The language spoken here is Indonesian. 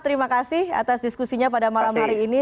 terima kasih atas diskusinya pada malam hari ini